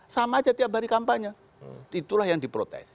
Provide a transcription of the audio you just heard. sama aja tiap hari kampanye itulah yang diprotes